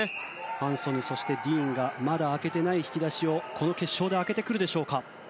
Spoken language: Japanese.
ファン・ソヌそして、ディーンがまだ開けてない引き出しをこの決勝で開けてくるでしょうか。